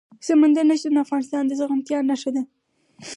سمندر نه شتون د افغانستان د زرغونتیا نښه ده.